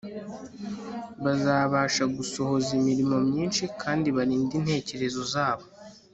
bazabasha gusohoza imirimo myinshi kandi barinde intekerezo zabo